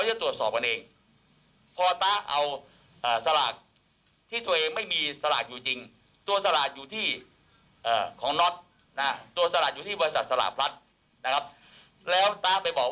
จะโปรดว่าสลากนี้เป็นของวัยศัฐนอท